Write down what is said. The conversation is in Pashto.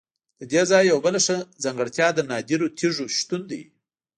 ددې ځای یوه بله ښه ځانګړتیا د نادرو تیږو شتون دی.